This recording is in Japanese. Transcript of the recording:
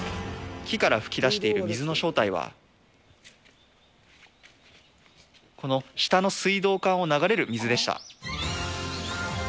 木から噴き出している水の正体は、この下の水道管を流れる水でした。